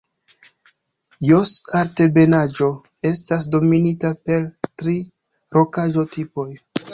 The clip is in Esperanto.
Jos-Altebenaĵo estas dominita per tri rokaĵo-tipoj.